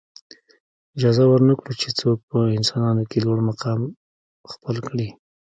اجازه ورنه کړو چې څوک په انسانانو کې لوړ مقام خپل کړي.